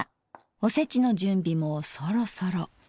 おせちの準備もそろそろ。